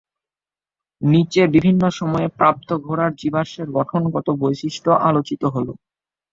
নিচে বিভিন্ন সময়ে প্রাপ্ত ঘোড়ার জীবাশ্মের গঠনগত বৈশিষ্ট্য আলোচিত হল।